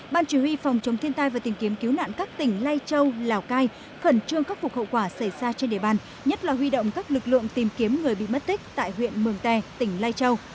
ban chỉ huy phòng chống thiên tai và tìm kiếm cứu nạn các tỉnh lai châu lào cai khẩn trương khắc phục hậu quả xảy ra trên địa bàn nhất là huy động các lực lượng tìm kiếm người bị mất tích tại huyện mường tè tỉnh lai châu